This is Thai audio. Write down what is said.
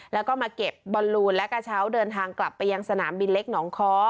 แล้วก็มาเก็บบอลลูนและกระเช้าเดินทางกลับไปยังสนามบินเล็กหนองค้อ